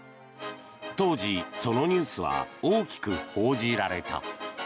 当時、そのニュースは大きく報じられた。